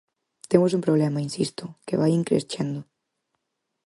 Temos un problema, insisto, que vai in crescendo.